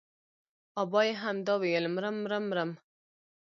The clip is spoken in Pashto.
ابا يې همدا ويل مرم مرم مرم.